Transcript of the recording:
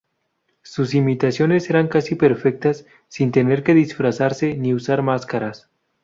Sus imitaciones eran casi perfectas, sin tener que disfrazarse, ni usar máscaras.